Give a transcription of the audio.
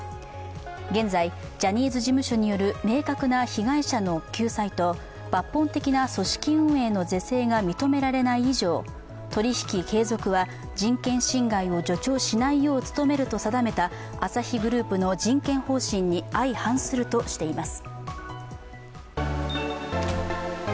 現在、ジャニーズ事務所による明確な被害者の救済と抜本的な組織運営の是正が認められない以上、取り引き継続は人権侵害を助長しないよう努めると定めたアサヒグループの人権方針に相反するとしています。